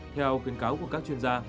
theo khuyến cáo của các chuyên gia